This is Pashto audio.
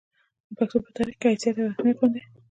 د پښتو پۀ تاريخي حېثيت او اهميت باندې